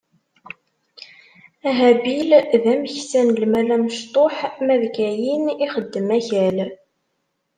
Habil, d ameksa n lmal amecṭuḥ, ma d Kayin ixeddem akal.